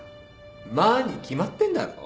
「ま」に決まってんだろ。